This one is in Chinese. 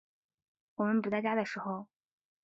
我们不在家的时候